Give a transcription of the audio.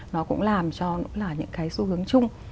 nó cũng làm cho những cái xu hướng chung